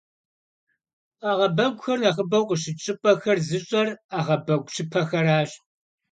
Ӏэгъэбэгухэр нэхъыбэу къыщыкӀ щӏыпӏэхэр зыщӀэр Ӏэгъэбэгу щыпэхэращ.